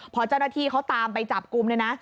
พอเจ้าหน้าที่เขาตามไปจับกลุ่มเนี่ยนะ